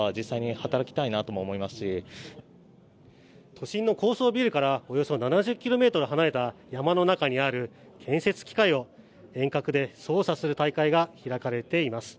都心の高層ビルからおよそ７０ｋｍ離れた山の中にある建設機械を遠隔で操作する大会が開かれています。